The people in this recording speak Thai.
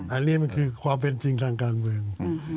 อันนี้มันคือความเป็นจริงทางการเมือง